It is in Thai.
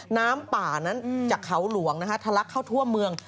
น้ำป่านั้นจากเขาหลวงทะลักเข้าทั่วเมือง